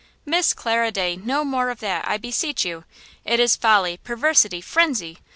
"Miss Clara Day! no more of that, I beseech you! It is folly, perversity, frenzy!